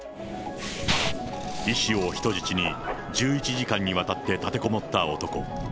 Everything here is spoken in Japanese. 医師を人質に１１時間にわたって立てこもった男。